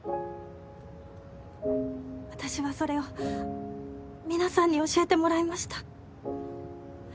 私はそれを皆さんに教えてもらいました。